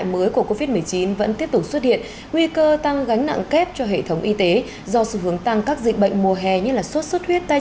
mời quý vị cùng theo dõi ngay sau đây